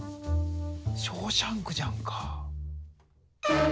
「ショーシャンク」じゃんか。